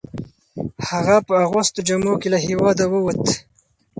هغه په اغوستو جامو کې له هیواده وووت.